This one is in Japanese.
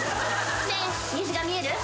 ねえ虹が見える？